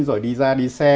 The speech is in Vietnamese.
rồi đi ra đi xe